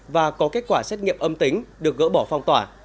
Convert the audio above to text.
và có kết quả xét nghiệm âm tính được gỡ bỏ phong tỏa